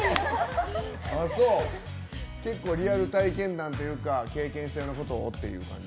結構、リアル体験談というか経験したようなことをっていう感じ？